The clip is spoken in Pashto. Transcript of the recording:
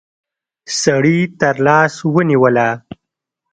سړي تر لاس ونيوله.